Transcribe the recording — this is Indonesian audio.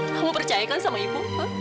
kamu percayakan sama ibu